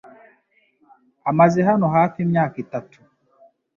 amaze hano hafi imyaka itatu.